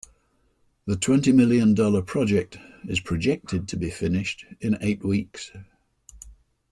The twenty million dollar project is projected to be finished in eight weeks.